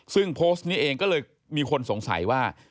ซึ่งโพสต์นี้เองก็เลยมีคนสงสัยว่า